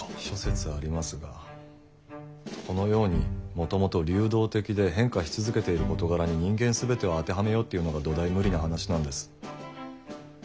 諸説ありますがこのようにもともと流動的で変化し続けている事柄に人間全てを当てはめようっていうのが土台無理な話なんです。